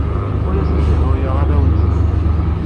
Ur asen-ssezhuyeɣ arraw-nsen.